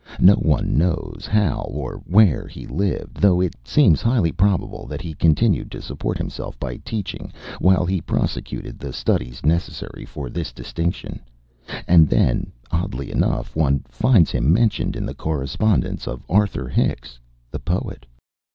No one knows how or where he lived, though it seems highly probable that he continued to support himself by teaching while he prosecuted the studies necessary for this distinction. And then, oddly enough, one finds him mentioned in the correspondence of Arthur Hicks, the poet.